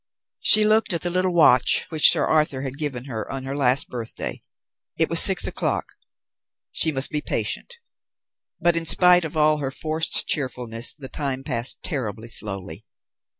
She looked at the little watch which Sir Arthur had given her on her last birthday. It was six o'clock. She must be patient. But in spite of all her forced cheerfulness the time passed terribly slowly.